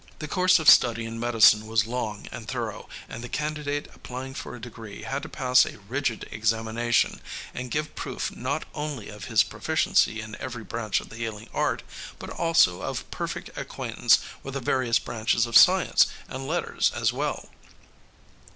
The course of study in medicine was long and thorough, and the candidate applying for a degree had to pass a rigid examination and give proof not only of his proficiency in every branch of the healing art, but also of perfect acquaintance with the various branches of science and letters as well.